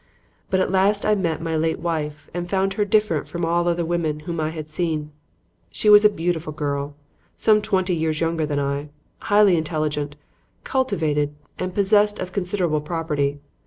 But at last I met my late wife and found her different from all other women whom I had seen. She was a beautiful girl, some twenty years younger than I, highly intelligent, cultivated and possessed of considerable property.